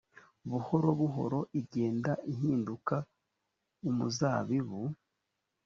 buhoro buhoro igenda ihinduka umuzabibu